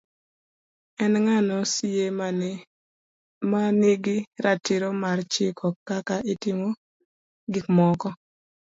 en ng'ano sie ma nigi ratiro mar chiko kaka itimo gik moko